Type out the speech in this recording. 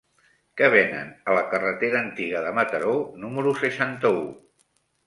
Què venen a la carretera Antiga de Mataró número seixanta-u?